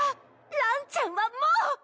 ランちゃんはもう。